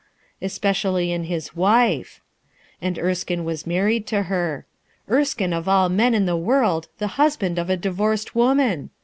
Especially in his 220 RUTH ERSKINE'S SON wife ! And Erskinc was married to her. Er Bkme of all men in the world the husband of a divorced woman!